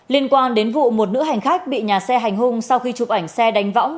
liên quan đến vụ một nữ hành khách bị nhà xe hành hung sau khi chụp ảnh xe đánh võng